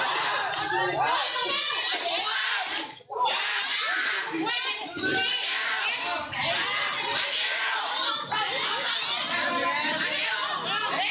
ตายหนึ่ง